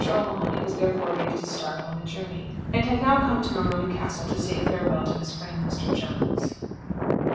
O'Mahony was therefore ready to start on the journey, and had now come to Morony Castle to say farewell to his friend Mr. Jones.